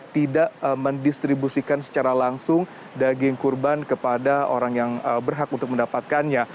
tidak mendistribusikan secara langsung daging kurban kepada orang yang berhak untuk mendapatkannya